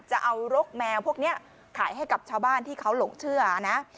จะเอารกแมวพวกนี้ขายให้กับชาวบ้านที่เขาหลงเชื่อนะ